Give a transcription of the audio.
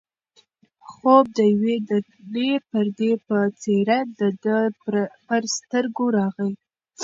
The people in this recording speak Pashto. خوب د یوې درنې پردې په څېر د ده پر سترګو راغی.